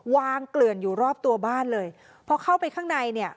เกลื่อนอยู่รอบตัวบ้านเลยพอเข้าไปข้างในเนี่ย